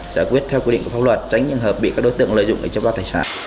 giải quyết theo quy định của pháp luật tránh những hợp bị các đối tượng lợi dụng để chiếm đoạt tài sản